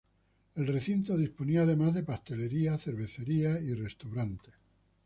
El recinto disponía además de pastelería, cervecería y restaurante.